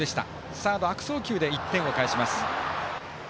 サード、悪送球で１点を返します。